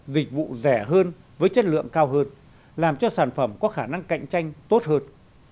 dịch vụ rẻ hơn với chất lượng cao hơn làm cho sản phẩm có khả năng cạnh tranh tốt hơn